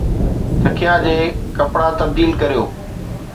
تکيا جي ڪپڙا تبديل ڪريو